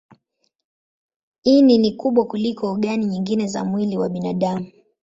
Ini ni kubwa kuliko ogani nyingine za mwili wa binadamu.